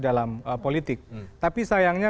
dalam politik tapi sayangnya